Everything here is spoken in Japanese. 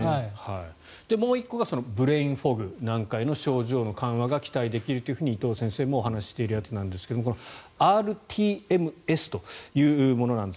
もう１個がブレインフォグなんかも症状の緩和が期待できると伊藤先生もお話しているやつなんですがｒＴＭＳというものです。